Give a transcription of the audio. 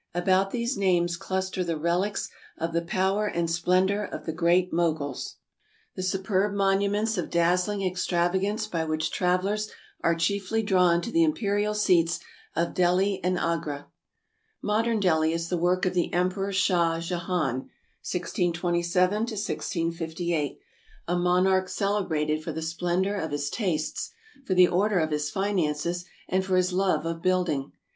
About these names cluster the relics of the power and splendor of the Great Moguls, the superb monuments of dazzling ex travagance by which travelers are chiefly drawn to the im perial seats of Delhi and Agra. 308 ASIA 309 Modern Delhi is the work of the Emperor Shah Jehan (1627 1658), a monarch celebrated for the splendor of his tastes, for the order of his finances, and for his love of build ing.